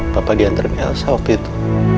papa diantar mi elsa waktu itu